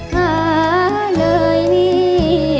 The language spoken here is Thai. หาเลยนี่